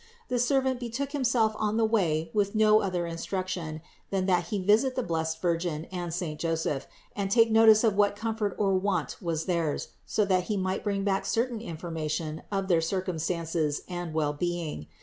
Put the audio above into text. The servant betook himself on the way with no other instruction than that he visit the blessed Virgin and saint Joseph and take notice of what comfort or want was theirs, so that he might bring back certain information of their circum stances and well being.